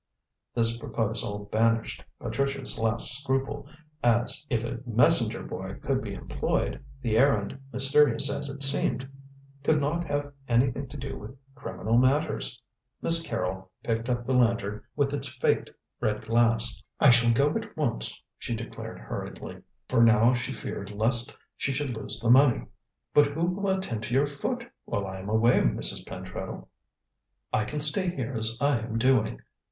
This proposal banished Patricia's last scruple, as, if a messenger boy could be employed, the errand, mysterious as it seemed, could not have anything to do with criminal matters. Miss Carrol picked up the lantern, with its faked red glass. "I shall go at once," she declared hurriedly, for now she feared lest she should lose the money, "but who will attend to your foot while I am away, Mrs. Pentreddle?" "I can stay here, as I am doing.